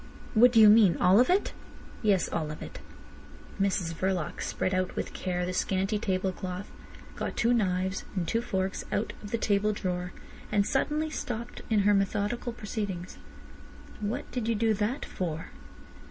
"What do you mean? All of it?" "Yes. All of it." Mrs Verloc spread out with care the scanty table cloth, got two knives and two forks out of the table drawer, and suddenly stopped in her methodical proceedings. "What did you do that for?"